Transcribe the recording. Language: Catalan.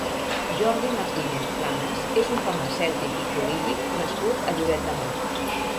Jordi Martínez Planas és un farmacèutic i polític nascut a Lloret de Mar.